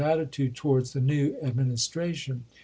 attitude towards the new Administration.